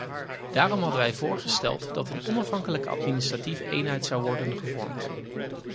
Daarom hadden wij voorgesteld dat een onafhankelijke administratieve eenheid zou worden gevormd.